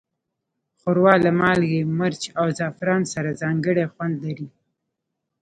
ښوروا له مالګې، مرچ، او زعفران سره ځانګړی خوند لري.